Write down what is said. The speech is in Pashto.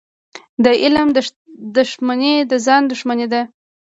د علم دښمني د ځان دښمني ده.